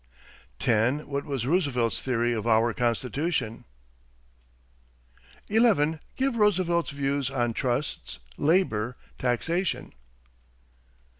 10. What was Roosevelt's theory of our Constitution? 11. Give Roosevelt's views on trusts, labor, taxation.